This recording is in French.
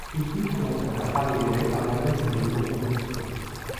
Triptych commence à faire parler d'elle avant même ses débuts en compétition.